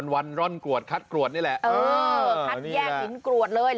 วันร่อนกรวดคัดกรวดนี่แหละเออคัดแยกหินกรวดเลย